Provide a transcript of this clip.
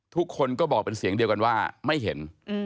ทุกคนก็บอกเป็นเสียงเดียวกันว่าไม่เห็น